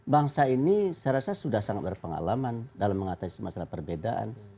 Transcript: bangsa ini saya rasa sudah sangat berpengalaman dalam mengatasi masalah perbedaan